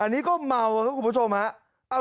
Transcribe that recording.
อันนี้ก็เมาครับคุณผู้ชมฮะ